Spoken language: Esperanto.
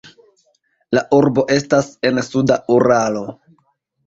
La urbo estas en suda Uralo.